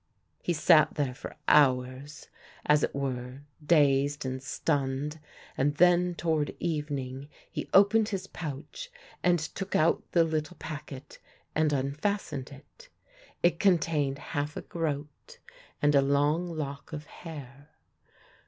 He sat there for hours, as it were dazed and stunned, and then toward evening he opened his pouch and took out the little packet and unfastened it. It contained half a groat and a long lock of hair.